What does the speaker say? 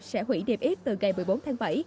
sẽ hủy niêm yết từ ngày một mươi bốn tháng bảy